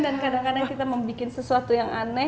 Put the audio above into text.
dan kadang kadang kita membuat sesuatu yang aneh